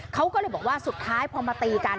เขาก็เลยบอกว่าสุดท้ายพอมาตีกัน